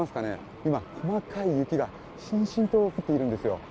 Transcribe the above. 今、細かい雪がしんしんと降っているんですよ。